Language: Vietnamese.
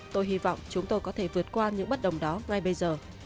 tôi hy vọng chúng tôi có thể vượt qua những bất đồng đó ngay bây giờ